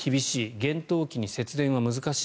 厳寒期に節電は難しい。